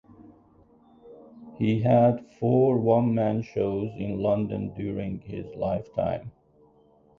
He had four one man shows in London during his lifetime.